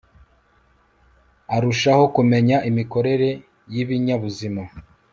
arushaho kumenya imikorere y ibinyabuzima